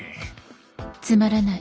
つまらない。